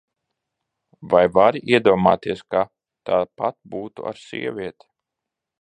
Vai vari iedomāties, ka tāpat būtu ar sievieti?